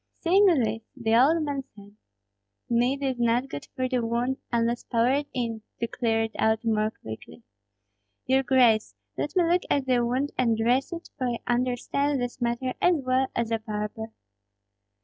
Seeing this, the old man said, "Mead is not good for the wound, unless poured in, to clear it out more quickly. Your grace, let me look at the wound and dress it, for I understand this matter as well as a barber."